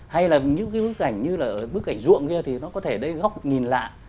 hay là những cái bức ảnh như là bức ảnh ruộng kia thì nó có thể góc nhìn lạ